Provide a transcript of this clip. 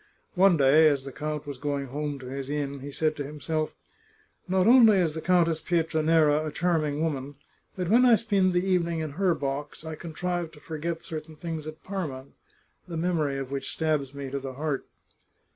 One day, as the count was going home to his inn, he said to himself :" Not only is the Countess Pietranera a charming woman, but when I spend the evening in her box I contrive to forget certain things at Parma, the memory of which stabs me to the heart